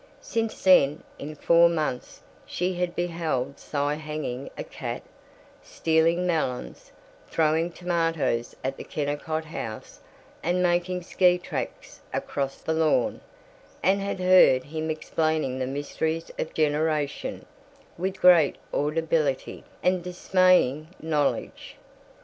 Since then, in four months, she had beheld Cy hanging a cat, stealing melons, throwing tomatoes at the Kennicott house, and making ski tracks across the lawn, and had heard him explaining the mysteries of generation, with great audibility and dismaying knowledge.